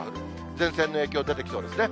前線の影響、出てきそうですね。